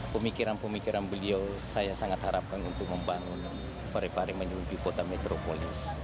pemikiran pemikiran beliau saya sangat harapkan untuk membangun pare pare menyebuti kota metropolis